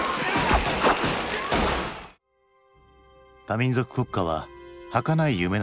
多民族国家ははかない夢なのか？